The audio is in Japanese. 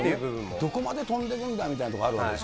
どこまで跳んでくんだみたいなとこもあるわけですよね。